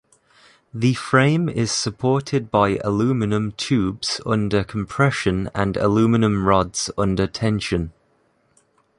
The frame is supported by aluminum tubes under compression and aluminum rods under tension.